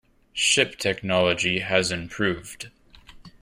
Ship technology has improved.